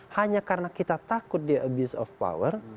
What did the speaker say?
hanya karena kita takut di abuse of power